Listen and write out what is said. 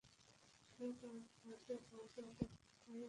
শোন, তোর বাবা একজন খুনী, কিন্তু এতে তোর কোনো দোষ নেই।